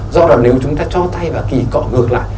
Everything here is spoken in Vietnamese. do đó nếu chúng ta cho thay vào kỳ cọ ngược lại